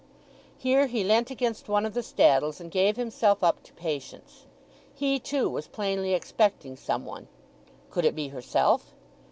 Here he leant against one of the staddles, and gave himself up to patience. He, too, was plainly expecting some one; could it be herself?